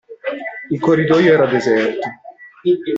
Il corridoio era deserto.